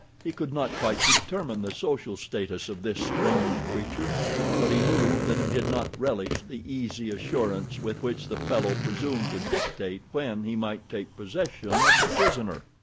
He could not quite determine the social status of this strange creature; but he knew that he did not relish the easy assurance with which the fellow presumed to dictate when he might take possession of the prisoner.